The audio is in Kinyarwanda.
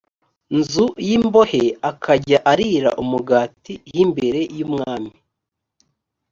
nzu y imbohe akajya arira umugati h imbere y umwami